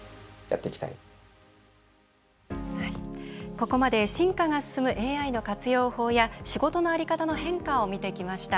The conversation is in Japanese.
ここまで進化が進むＡＩの活用法や仕事の在り方の変化を見てきました。